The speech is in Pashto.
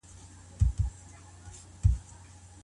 مجلس څنګه له نورو هیوادونو سره اړیکي نیسي؟